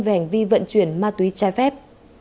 về ảnh vi vận chuyển ma túy trai phép